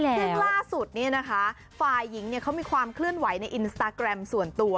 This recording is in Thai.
ใช่แล้วซึ่งล่าสุดนี่นะคะฟายหญิงเขามีความเคลื่อนไหวในอินสตาแกรมส่วนตัว